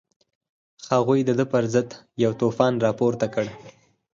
هغوی د ده په ضد یو توپان راپورته کړ.